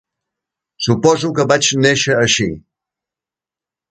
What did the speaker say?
Suposo que vaig néixer així.